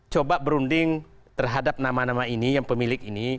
coba berunding terhadap nama nama ini